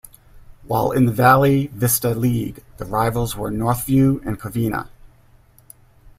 While in the Valle Vista League, the rivals were Northview and Covina.